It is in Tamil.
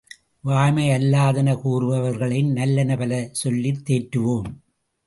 வாய்மையல்லாதன கூறுபவர்களையும் நல்லன பல சொல்லித் தேற்றுவோம்.